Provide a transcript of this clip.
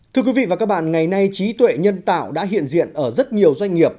thưa quý vị và các bạn ngày nay trí tuệ nhân tạo đã hiện diện ở rất nhiều doanh nghiệp